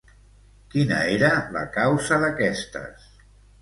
Quina era la causa d'aquestes?